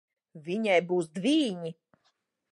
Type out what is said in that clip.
Viņai būs dvīņi.